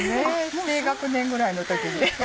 低学年ぐらいの時に。